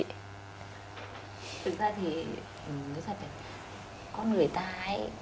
thực ra thì nói thật là có người ta ấy